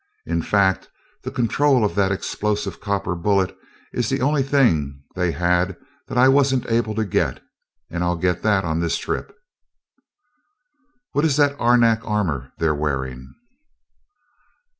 In fact, the control of that explosive copper bullet is the only thing they had that I wasn't able to get and I'll get that on this trip." "What is that arenak armor they're wearing?"